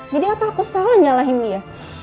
jadi apa aku salah njalahin dia